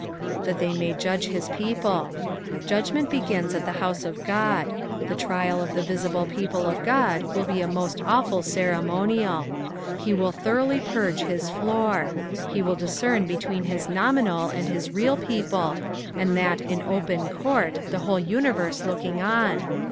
"That Tie may judge hit people.''' Judgment begins at the house of God. The trial of the visible people of God will be a most awful ceremonial. He will thoroughly purge his floor. He will discern between bis nominal and his real people, and that in open court, the whole universe looking on.